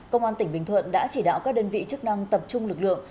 công an tỉnh bình thuận đã chỉ đạo các đơn vị chức năng tập trung lực lượng